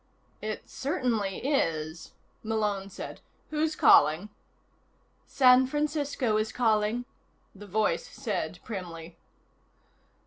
"It certainly is," Malone said. "Who's calling?" "San Francisco is calling," the voice said primly.